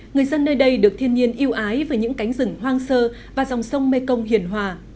người dân nơi đây được thiên nhiên yêu ái với những cánh rừng hoang sơ và dòng sông mê công hiền hòa